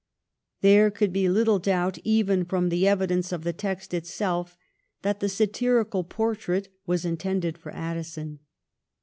There could be little doubt even from the evidence of the text itself that the satirical portrait was intended for Addison.